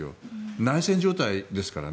内戦状態ですからね。